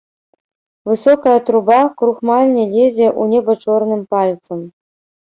Высокая труба крухмальні лезе ў неба чорным пальцам.